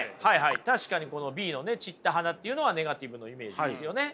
確かにＢの散った花っていうのはネガティブのイメージですよね。